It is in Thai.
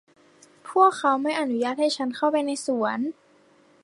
พวกเขาไม่อนุญาตให้ฉันเข้าไปในสวน